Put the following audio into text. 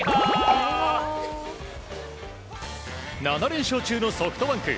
７連勝中のソフトバンク。